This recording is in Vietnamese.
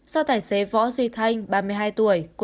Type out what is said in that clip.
ba mươi hai tuổi quê ở đồng tây